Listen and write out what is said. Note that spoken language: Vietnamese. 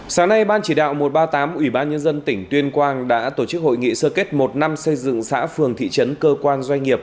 sáng nay ban chỉ đạo một trăm ba mươi tám ủy ban nhân dân tỉnh tuyên quang đã tổ chức hội nghị sơ kết một năm xây dựng xã phường thị trấn cơ quan doanh nghiệp